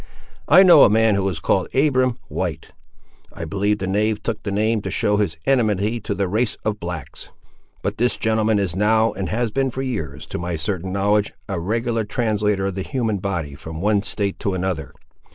I know a man who is called Abiram White.—I believe the knave took that name to show his enmity to the race of blacks! But this gentleman is now, and has been for years, to my certain knowledge, a regular translator of the human body from one State to another.